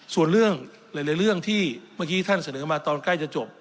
ส่วนเรื่องหลายเรื่องที่เมื่อกี้ท่านเสนอมาตอนใกล้จะจบ